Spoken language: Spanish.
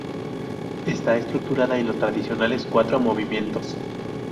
Está estructurada en los tradicionales cuatro movimientos.